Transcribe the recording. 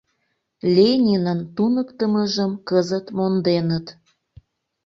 Ленинын туныктымыжым кызыт монденыт.